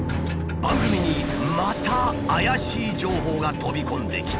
番組にまた怪しい情報が飛び込んできた。